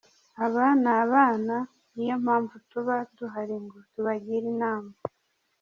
Aba ni abana ni yo mpamvu tuba duhari ngo tubagire inama.